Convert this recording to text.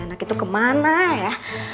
anak itu kemana ya